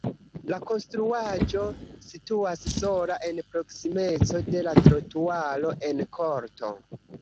La konstruaĵo situas sola en proksimeco de la trotuaro en korto.